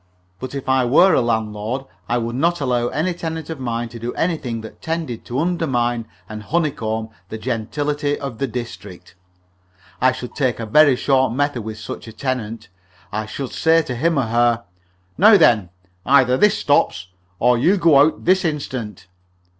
But if I were a landlord, I would not allow any tenant of mine to do anything that tended to undermine and honeycomb the gentility of the district. I should take a very short method with such a tenant. I should say to him or her: "Now, then, either this stops, or you go out this instant."